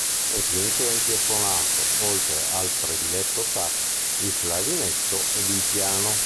Nei primi tempi ha suonato, oltre al prediletto sax, il clarinetto ed il piano.